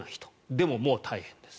でも、もう大変です。